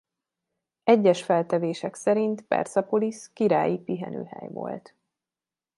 Egyes feltevések szerint Perszepolisz királyi pihenőhely volt.